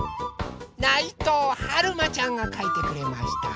ないとうはるまちゃんがかいてくれました。